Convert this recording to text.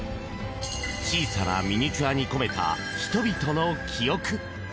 小さなミニチュアに込めた人々の記憶。